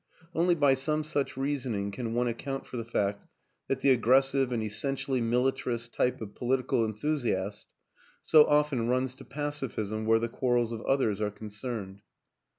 Only by some such reasoning can one account for the fact that the aggressive and essentially militarist type of political enthusiast so often runs to pacifism where the quarrels of others are concerned.